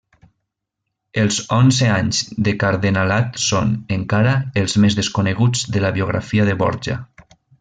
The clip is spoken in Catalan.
Els onze anys del cardenalat són, encara, els més desconeguts de la biografia de Borja.